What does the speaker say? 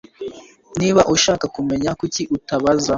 Niba ushaka kumenya, kuki utabaza ?